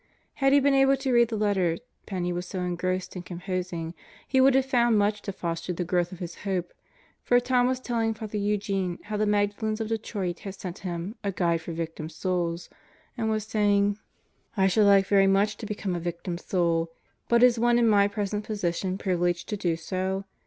Had he been able to read the letter Penney was so engrossed in composing he would have found much to foster the growth of his hope, for Tom was telling Father Eugene how the Magdalens of Detroit had sent him A Guide for Victim Souls and was saying: I should like very much to become a Victim Soul; but is one in my present position privileged to do so?